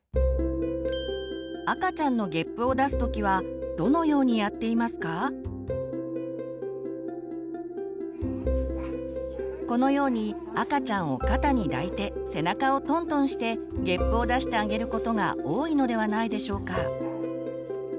赤ちゃんのこのように赤ちゃんを肩に抱いて背中をトントンしてげっぷを出してあげることが多いのではないでしょうか？